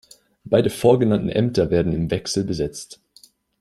Beide vorgenannten Ämter werden im Wechsel besetzt.